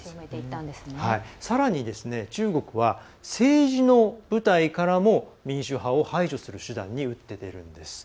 さらに、中国は政治の舞台からも民主派を排除する手段に打って出るんです。